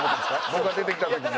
僕が出てきた時に。